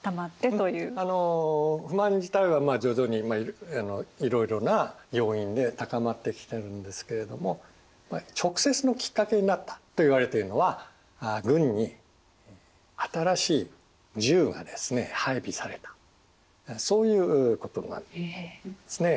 不満自体は徐々にいろいろな要因で高まってきてるんですけれども直接のきっかけになったといわれているのは軍に新しい銃が配備されたそういうことなんですね。